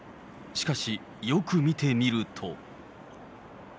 しかし、よく見てみると。